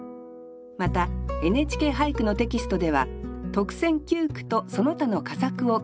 また「ＮＨＫ俳句」のテキストでは特選九句とその他の佳作を掲載します。